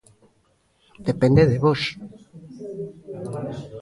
Depende de vós.